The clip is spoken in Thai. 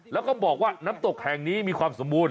แล้วก็บอกว่าน้ำตกแห่งนี้มีความสมบูรณ